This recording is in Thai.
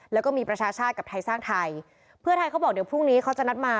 แล้วก็มีประชาชาติกับไทยสร้างไทยเพื่อไทยเขาบอกเดี๋ยวพรุ่งนี้เขาจะนัดมา